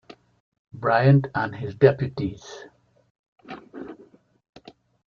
Briant and his deputies.